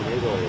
nơi hồ gươm